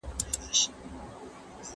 ¬ پر خره يوه لپه اوربشي ډېري دي.